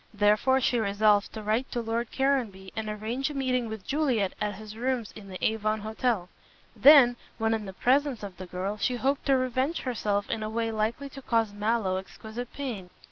Therefore she resolved to write to Lord Caranby and arrange a meeting with Juliet at his rooms in the Avon Hotel. Then, when in the presence of the girl, she hoped to revenge herself in a way likely to cause Mallow exquisite pain.